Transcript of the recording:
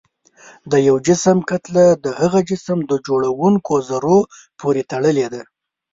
د یو جسم کتله د هغه جسم د جوړوونکو ذرو پورې تړلې ده.